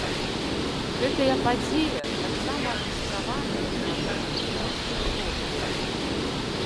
Гэтая падзея таксама адлюстравана ў адной з асірыйскіх хронік.